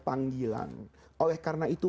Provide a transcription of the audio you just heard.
panggilan oleh karena itu